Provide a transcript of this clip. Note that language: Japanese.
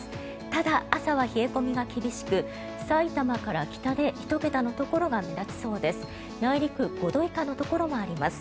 ただ、朝は冷え込みが厳しく埼玉から北で１桁のところが目立つそうです。